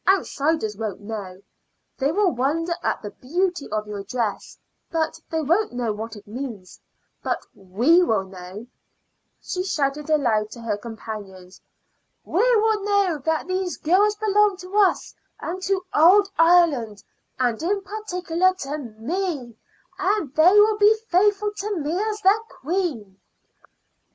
"Outsiders won't know. They will wonder at the beauty of your dress, but they won't know what it means; but we will know," she shouted aloud to her companions "we will know that these girls belong to us and to old Ireland, and in particular to me, and they will be faithful to me as their queen."